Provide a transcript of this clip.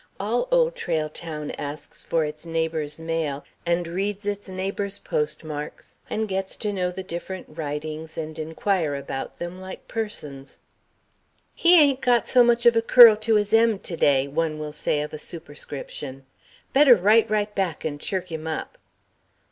All Old Trail Town asks for its neighbour's mail and reads its neighbour's postmarks and gets to know the different Writings and to inquire after them, like persons. ("He ain't got so much of a curl to his M to day," one will say of a superscription. "Better write right back and chirk 'im up."